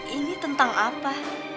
ini tentang apa